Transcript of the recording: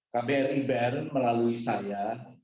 kbri br melalui saya